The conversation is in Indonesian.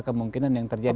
kemungkinan yang terjadi